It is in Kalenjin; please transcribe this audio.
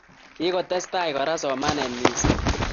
Kikotestai kora somanet mising